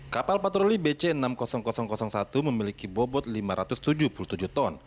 kapal patroli bc enam ribu satu memiliki bobot lima ratus tujuh puluh tujuh ton